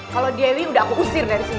kalo dewi udah aku usir dari sini